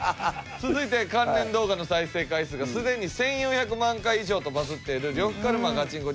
続いて関連動画の再生回数がすでに１４００万回以上とバズっている呂布カルマガチンコディベート